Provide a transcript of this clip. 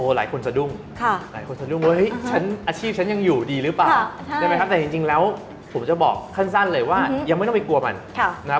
โอ้หลายคนสะดุ้งหลายคนสะดุ้งเฮ้ยอาชีพฉันยังอยู่ดีหรือเปล่าแต่จริงแล้วผมจะบอกขั้นสั้นเลยว่ายังไม่ต้องไปกลัวมันนะครับ